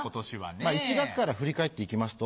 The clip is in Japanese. １月から振り返って行きますと。